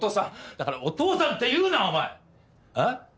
だからお父さんって言うなお前！え？